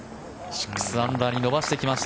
６アンダーに伸ばしてきました。